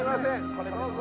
これどうぞ。